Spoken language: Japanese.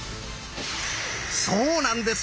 そうなんです！